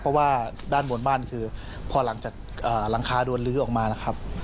เพราะว่าด้านบนบ้านคือพอหลังจากหลังคาโดนลื้อออกมานะครับ